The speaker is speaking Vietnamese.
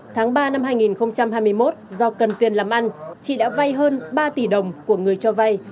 tháng ba năm hai nghìn hai mươi một do cần tiền làm ăn chị đã vay hơn ba tỷ đồng của người cho vay